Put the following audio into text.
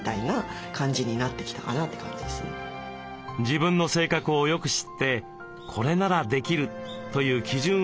自分の性格をよく知って「これならできる」という基準を設ける。